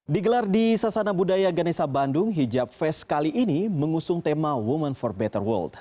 digelar di sasana budaya ganesa bandung hijab fest kali ini mengusung tema women for better world